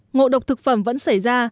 ngộ độc thực phẩm vẫn xảy ra